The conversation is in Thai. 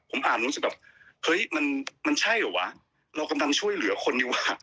ผมอาจรู้สึกแบบเฮ้ยมันมันใช่เหรอวะเรากำลังช่วยเหลือคนอยู่ว่ะ